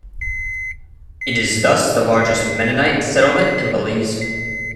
It is thus the largest Mennonite settlement in Belize.